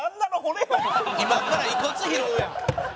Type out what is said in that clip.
今から遺骨拾うやん。